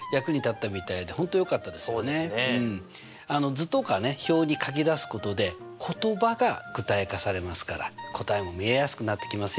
図とか表に書き出すことで言葉が具体化されますから答えも見えやすくなってきますよ。